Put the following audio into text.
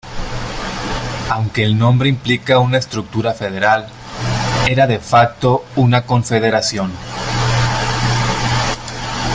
Aunque el nombre implica una estructura federal, era "de facto" una confederación.